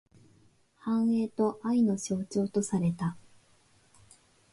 繁栄と愛の象徴とされた。